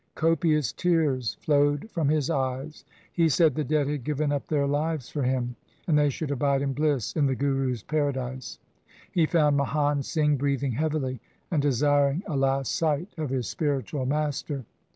Copious tears flowed from his eyes. He said the dead had given up their lives for him, and they should abide in bliss in the Gurus' paradise. He found Mahan Singh breathing heavily and desiring a last sight of his spiritual master.